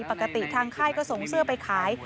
ปกติทางค่ายก็ส่งเสื้อไปขาย